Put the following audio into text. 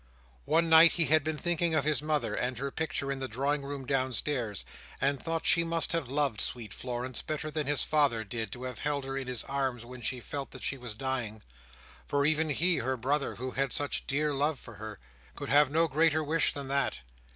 One night he had been thinking of his mother, and her picture in the drawing room downstairs, and thought she must have loved sweet Florence better than his father did, to have held her in her arms when she felt that she was dying—for even he, her brother, who had such dear love for her, could have no greater wish than that.